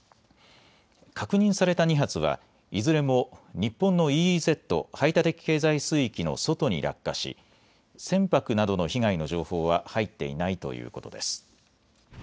確認された２発はいずれも日本のＥＥＺ・排他的経済水域の外に落下し船舶などの被害の情報は入っていないということです。